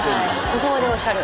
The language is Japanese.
そこまでおっしゃる。